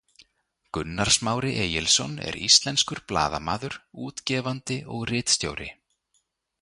Gunnar Smári Egilsson er Íslenskur blaðamaður, útgefandi og ritstjóri.